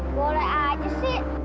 boleh aja sih